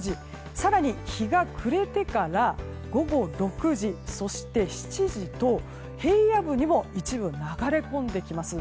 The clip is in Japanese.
更に日が暮れてから午後６時、そして７時と平野部にも一部流れ込んできます。